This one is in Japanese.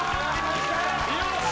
よし！